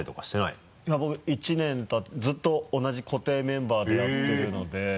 いや１年ずっと同じ固定メンバーでやってるので。